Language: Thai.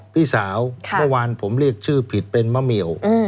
พี่สาวเมื่อวานผมเรียกชื่อผิดเป็นมะเหมียว